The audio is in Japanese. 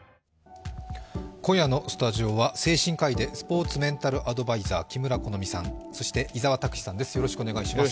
今夜のスタジオは精神科医でスポーツメンタルアドバイザー、木村好珠さんと伊沢拓司さんです。